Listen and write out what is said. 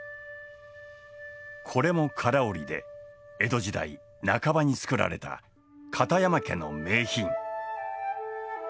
これも唐織で江戸時代半ばに作られた片山家の名品。